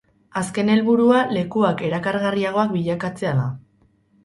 Azken helburua lekuak erakargarriagoak bilakatzea da.